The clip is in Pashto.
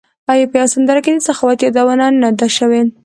په یوه سندره کې د سخاوت یادونه نه ده شوې.